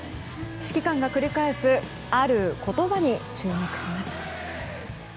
指揮官が繰り返すある言葉に注目します。